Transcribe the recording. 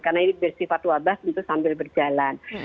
karena ini bersifat wabah tentu sambil berjalan